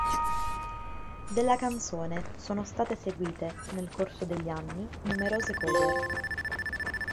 Della canzone sono state eseguite, nel corso degli anni, numerose cover.